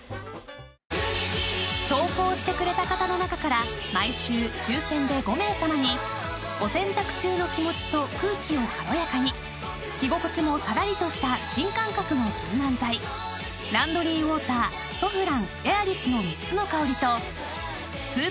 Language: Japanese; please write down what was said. ［投稿してくれた方の中から毎週抽選で５名さまにお洗濯中の気持ちと空気を軽やかに着心地もさらりとした新感覚の柔軟剤ランドリーウォーターソフランＡｉｒｉｓの３つの香りとスーパーＮＡＮＯＸ